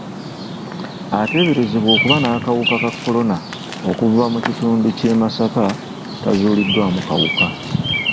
Ateeberezebwa okuba n'akawuka ka kolona okuva mu kitundu ky'e Masaka tazuuliddwamu kawuka.